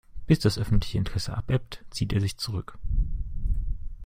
Bis das öffentliche Interesse abebbt, zieht er sich zurück.